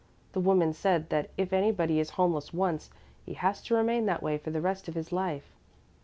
The woman said that if anybody is homeless once, he has to remain that way for the rest of his life."